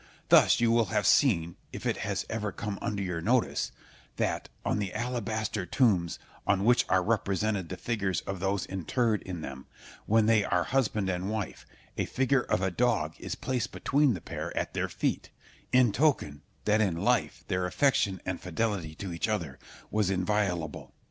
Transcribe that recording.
Thus you will have seen (if it has ever come under your notice) that, on the alabaster tombs, on which are represented the figures of those interred in them, when they are husband and wife, a figure of a dog is placed between the pair at their feet, in token that in life their affection and fidelity to each other was inviolable, Berg.